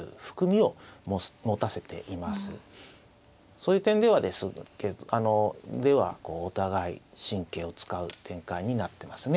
そういう点ではこうお互い神経を使う展開になってますね。